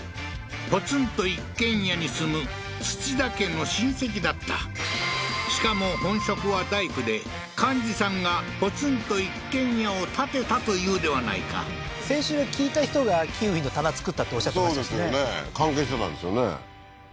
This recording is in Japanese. ポツンと一軒家に住むツチダ家の親戚だったしかも本職は大工で完二さんがポツンと一軒家を建てたというではないか先週は聞いた人がキウイの棚作ったっておっしゃってましたしね関係してたんですよね